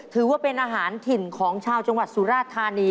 ถือว่าเป็นอาหารถิ่นของชาวจังหวัดสุราธานี